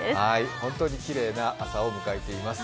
本当にきれいな朝を迎えています。